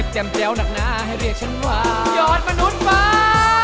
แจ้วหนักหนาให้เรียกฉันว่ายอดมนุษย์ฟ้า